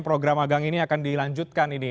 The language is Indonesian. program agang ini akan dilanjutkan ini